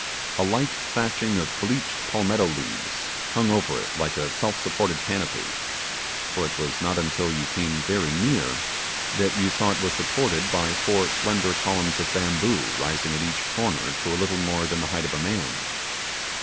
A light thatching of bleached palmetto leaves hung over it like a self supported canopy; for it was not until you came very near that you saw it was supported by four slender columns of bamboo rising at each corner to a little more than the height of a man.